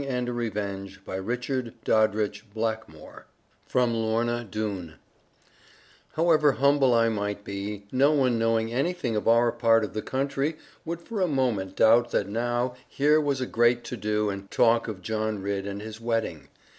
A WEDDING AND A REVENGE From 'Lorna Doone' However humble I might be, no one knowing anything of our part of the country would for a moment doubt that now here was a great to do and talk of John Ridd and his wedding.